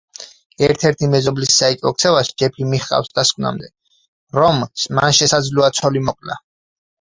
ერთ-ერთი მეზობლის საეჭვო ქცევას ჯეფი მიჰყავს დასკვნამდე, რომ მან შესაძლოა ცოლი მოკლა.